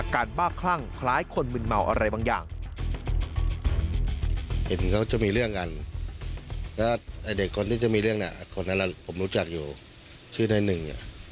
คนที่จะมีเรื่องน่ะคนนั้นผมรู้จักอยู่ชื่อในหนึ่ง